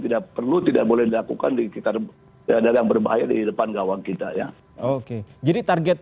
tidak perlu tidak boleh dilakukan di sekitar ada yang berbahaya di depan gawang kita ya oke jadi target